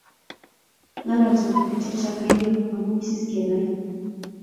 Ngololsoot biik che chang Keiyo amuu wisis kenai